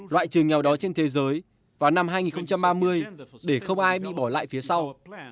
loại trừ nghèo đói trên thế giới vào năm hai nghìn ba mươi để không ai bị bỏ lại phía sau